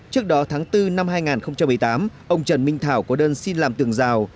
trước đó tháng bốn năm hai nghìn một mươi tám ông trần minh thảo có đơn xin làm tường rào